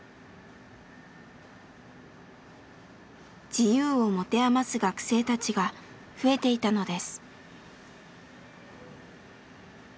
自由を持て余す学生たちが増えていたのです。